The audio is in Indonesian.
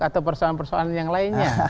atau persoalan persoalan yang lainnya